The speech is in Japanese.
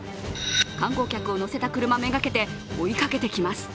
観光客を乗せた車目がけて追いかけてきます。